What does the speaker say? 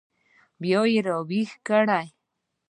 بیا یې راویښ کړل.